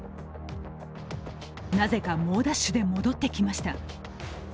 なぜか、猛ダッシュで戻ってきました。